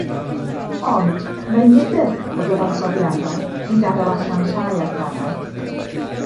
Ond, mae nifer o gyfansoddiadau yn gadael allan rhai adrannau